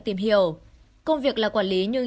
tìm hiểu công việc là quản lý nhưng